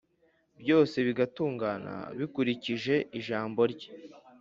byose bigatungana bikurikije ijambo rye.